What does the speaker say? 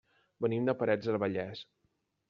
Venim de Parets del Vallès.